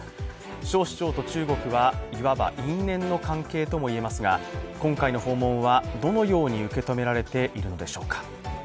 蒋市長と中国はいわば因縁の関係とも言えますが、今回の訪問はどのように受け止められているのでしょうか。